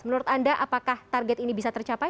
menurut anda apakah target ini bisa tercapai